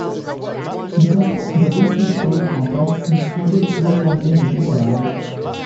Because the base is so compact, this poses no problem getting around.